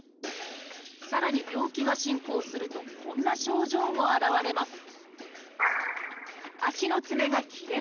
さらに病気が進行するとこんな症状も現れます